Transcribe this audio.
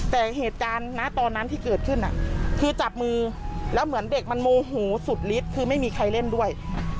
แต่เหตุการณ์นะตอนนั้นที่เกิดขึ้นคือจับมือแล้วเหมือนเด็กมันโมโหสุดฤทธิ์คือไม่มีใครเล่นด้วย